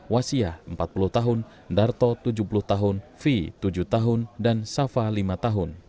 wasia empat puluh tahun darto tujuh puluh tahun v tujuh tahun dan safa lima tahun